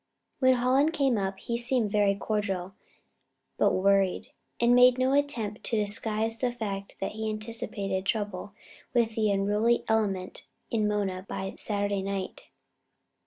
When Hallen came up, he seemed very cordial, but worried, and made no attempt to disguise the fact that he anticipated trouble with the unruly element in Mona by Saturday night.